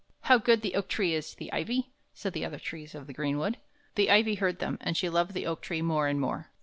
"How good the oak tree is to the ivy!" said the other trees of the greenwood. The ivy heard them, and she loved the oak tree more and more.